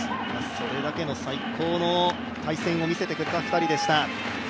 それだけの最高の対戦を見せてくれた２人でした。